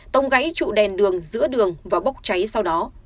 tông gãy trụ đèn đường giữa đường và bốc cháy sau đó